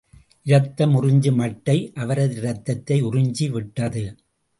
இரத்தம் உறிஞ்சும் அட்டை, அவரது ரத்தத்தை உறிஞ்சி விட்டது.